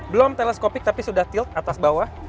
belum teleskopik tapi sudah tield atas bawah